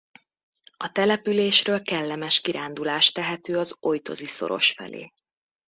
A településről kellemes kirándulás tehető az Ojtozi-szoros felé.